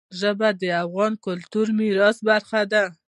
ژبې د افغانستان د کلتوري میراث برخه ده.